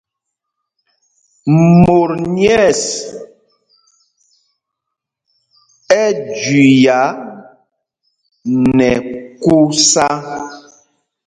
Mot nyɛ̂ɛs ɛ́ jüiá nɛ kūsā.